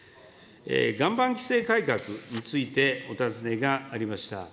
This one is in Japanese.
岩盤規制改革についてお尋ねがありました。